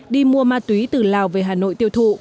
đi mua ma túy từ lào về hà nội tiêu thụ